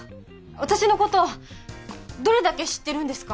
私のことどれだけ知ってるんですか？